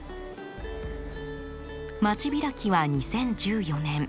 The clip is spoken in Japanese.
町開きは２０１４年。